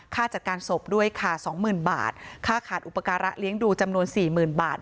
ค่าจัดการศพด้วยค่าสองหมื่นบาทค่าขาดอุปการะเลี้ยงดูจำนวนสี่หมื่นบาท